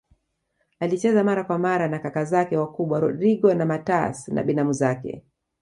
alicheza mara kwa mara na kaka zake wakubwa Rodrigo na MatÃas na binamu zake